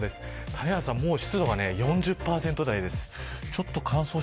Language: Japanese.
谷原さん、湿度がもう４０％台です。